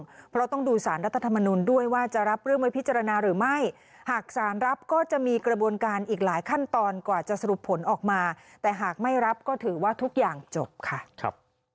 เพราะต้องดูสารรัฐธรรมนุนด้วยว่าจะรับเรื่องไว้พิจารณาหรือไม่หากสารรับก็จะมีกระบวนการอีกหลายขั้นตอนกว่าจะสรุปผลออกมาแต่หากไม่รับก็ถือว่าทุกอย่างจบค่ะครับ